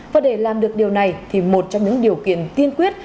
và để làm được điều này thì một trong những điều kiện tiên quyết